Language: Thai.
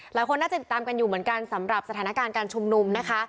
หลายคนน่าจะติดตามกันอยู่เหมือนกันสำหรับสถานการณ์การชุมนุมนะคะ